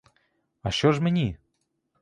А що ж мені?